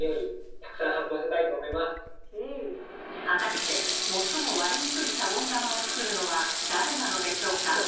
果たして最も割れにくいシャボン玉を作るのは誰なのでしょうか。